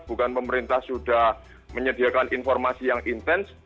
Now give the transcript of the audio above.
bukan pemerintah sudah menyediakan informasi yang intens